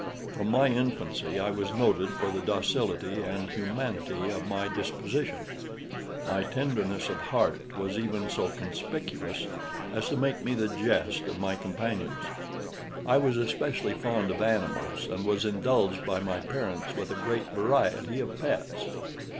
From my infancy I was noted for the docility and humanity of my disposition. My tenderness of heart was even so conspicuous as to make me the jest of my companions. I was especially fond of animals, and was indulged by my parents with a great variety of pets.